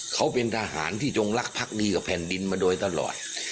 เขาเป็นทหารที่จงรักพักดีกับแผ่นดินมาโดยตลอด